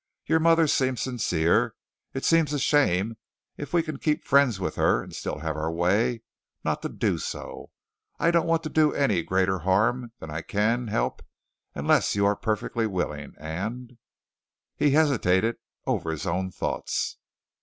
Your mother seems sincere. It seems a shame if we can keep friends with her and still have our way, not to do so. I don't want to do any greater harm than I can help unless you are perfectly willing and " He hesitated over his own thoughts.